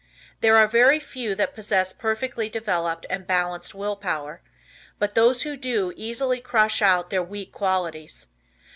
There are very few that possess perfectly developed and balanced Will Power, but those who do easily crush out their weak qualities.